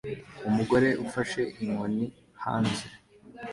Umugore ufashe inkoni hanze